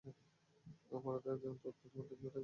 অপরাদের তথ্য তোমার টেবিলে থাকবে।